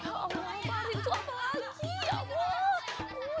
ya allah farid tuh apa lagi ya allah